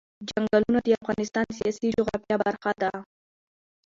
چنګلونه د افغانستان د سیاسي جغرافیه برخه ده.